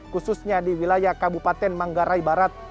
khususnya di wilayah kabupaten manggarai barat